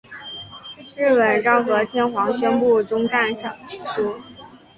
日本昭和天皇宣布终战诏书。